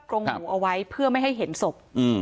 กรงหมูเอาไว้เพื่อไม่ให้เห็นศพ